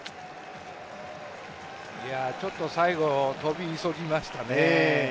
ちょっと最後、跳び急ぎましたね。